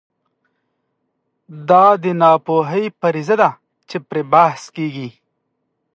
دا د ناپوهۍ فرضیه ده چې پرې بحث کېږي.